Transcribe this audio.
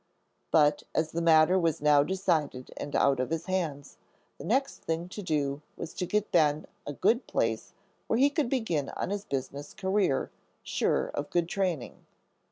But as the matter was now decided and out of his hands, the next thing to do was to get Ben a good place where he could begin on his business career, sure of good training.